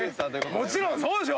もちろんそうでしょ！